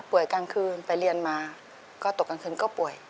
กลางคืนไปเรียนมาก็ตกกลางคืนก็ป่วย